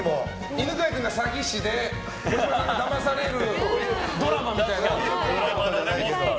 犬飼君が詐欺師で、児嶋さんがだまされるドラマみたいな。